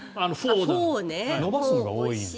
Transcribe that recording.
伸ばすのが多い。